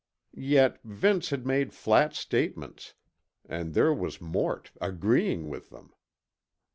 Yet, Vince had made flat statements, and there was Mort agreeing with them.